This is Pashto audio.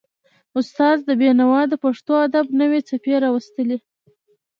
استاد بینوا د پښتو ادب نوې څپې راوستلې.